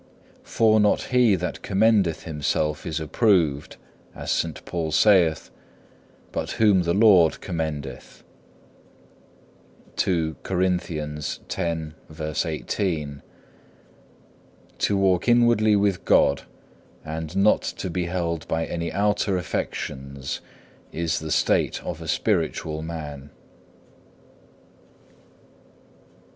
For not he that commendeth himself is approved, as St. Paul saith, but whom the Lord commendeth.(3) To walk inwardly with God, and not to be held by any outer affections, is the state of a spiritual man.